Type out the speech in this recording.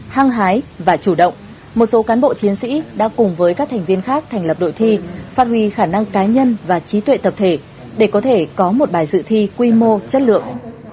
hăng hái và chủ động một số cán bộ chiến sĩ đã cùng với các thành viên khác thành lập đội thi phát huy khả năng cá nhân và trí tuệ tập thể để có thể có một bài dự thi quy mô chất lượng